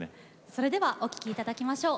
それではお聴きいただきましょう。